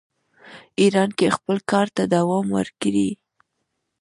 ایران کې خپل کار ته دوام ورکړي.